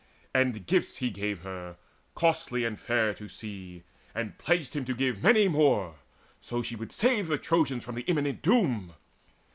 And gifts he gave her costly and fair to see, And pledged him to give many more, so she Would save the Trojans from the imminent doom.